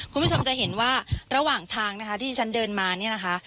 คุณผู้ชมจะเห็นว่าระหว่างทางนะคะที่ที่ฉันเดินมาเนี่ยนะคะ